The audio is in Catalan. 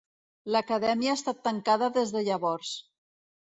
L'Acadèmia ha estat tancada des de llavors.